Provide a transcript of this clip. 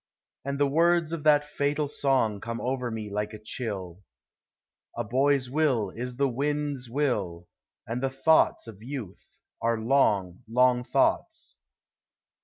And the words of that fatal song Come over me like a chill : 44 A boy's will is the wind's will, And the thoughts of youth are long, long thoughts."